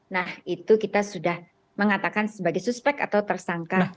nah itu kita sudah mengatakan sebagai suspek atau tersangka